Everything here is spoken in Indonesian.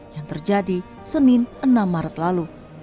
yang terjadi senin enam maret lalu